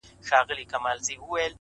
هغه لمرونو هغه واورو آزمېیلی چنار؛